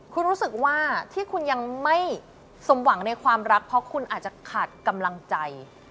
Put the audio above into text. คุณรู้สึกว่าที่คุณยังไม่สมหวังในความรักเพราะคุณอาจจะขาดกำลังใจ